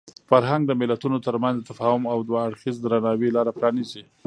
فرهنګ د ملتونو ترمنځ د تفاهم او دوه اړخیز درناوي لاره پرانیزي.